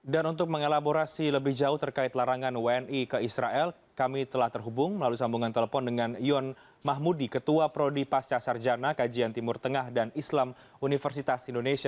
dan untuk mengelaborasi lebih jauh terkait larangan wni ke israel kami telah terhubung melalui sambungan telepon dengan yon mahmudi ketua prodi pasca sarjana kajian timur tengah dan islam universitas indonesia